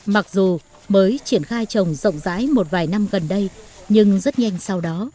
mặc dù mới triển khai trồng rộng rãi một vài năm gần đây nhưng rất nhanh sau đó